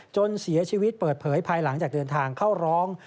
จนเสียชีวิตเปิดเผยภายหลังจากเดินทางเข้าร้อง